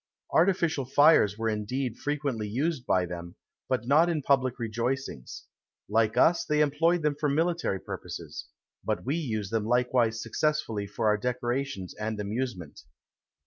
Artificial fires were indeed frequently used by them, but not in public rejoicings; like us, they employed them for military purposes; but we use them likewise successfully for our decorations and amusement.